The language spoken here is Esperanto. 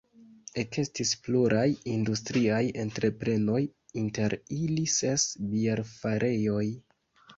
Ekestis pluraj industriaj entreprenoj, inter ili ses bierfarejoj.